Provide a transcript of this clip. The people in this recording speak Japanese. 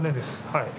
はい。